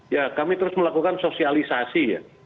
ya kami terus melakukan sosialisasi ya